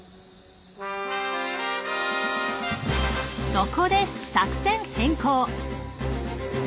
そこで作戦変更。